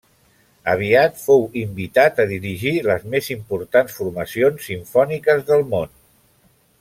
Aviat fou invitat a dirigir les més importants formacions simfòniques del món.